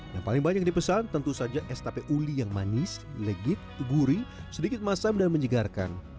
yang paling banyak dipesan tentu saja es tape uli yang manis legit gurih sedikit masam dan menyegarkan